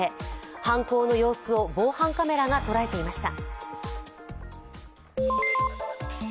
犯行の様子を防犯カメラが捉えていました。